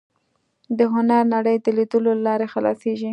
د هنر نړۍ د لیدلو له لارې خلاصېږي